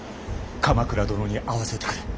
鎌倉殿に会わせてくれ。